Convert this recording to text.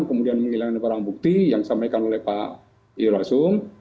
kemudian menghilangkan barang bukti yang disampaikan oleh pak irwasung